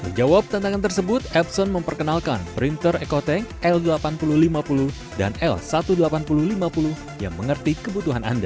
menjawab tantangan tersebut epson memperkenalkan printer ecotank l delapan ribu lima puluh dan l delapan belas ribu lima puluh yang mengerti kebutuhan anda